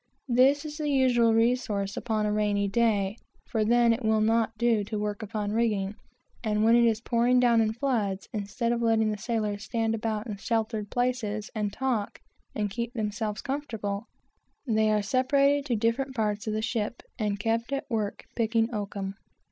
This is the usual resource upon a rainy day, for then it will not do to work upon rigging; and when it is pouring down in floods, instead of letting the sailors stand about in sheltered places, and talk, and keep themselves comfortable, they are separated to different parts of the ship and kept at work picking oakum.